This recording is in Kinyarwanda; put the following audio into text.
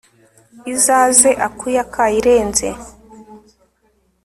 izaze akuya kayirenze